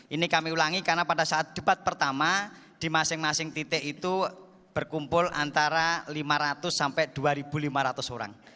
ini kami ulangi karena pada saat debat pertama di masing masing titik itu berkumpul antara lima ratus sampai dua lima ratus orang